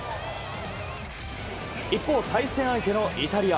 一方、対戦相手のイタリア。